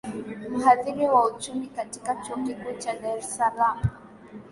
mhadhiri wa uchumi katika chuo kikuu cha dar es salaam